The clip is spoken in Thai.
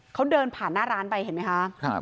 เขาเดินผ่านหน้าร้านไปเห็นไหมคะ